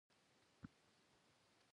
غله دانه زموږ شتمني ده.